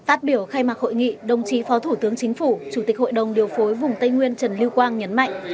phát biểu khai mạc hội nghị đồng chí phó thủ tướng chính phủ chủ tịch hội đồng điều phối vùng tây nguyên trần lưu quang nhấn mạnh